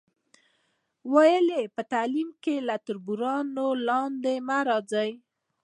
ویل یې، په تعلیم کې له تربورانو لاندې مه راځئ.